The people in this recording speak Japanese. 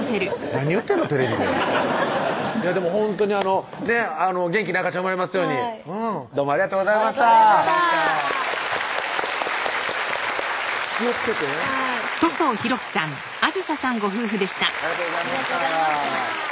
何言ってんのテレビででもほんとにねっ元気な赤ちゃん生まれますようにどうもありがとうございましたありがとうございました気をつけてねはいありがとうございましたありがとうございました